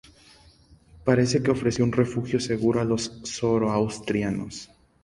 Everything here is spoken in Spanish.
Parece que ofreció un refugio seguro a los zoroastrianos.